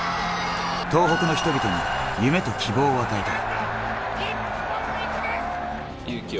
東北の人々に夢と希望を与えた。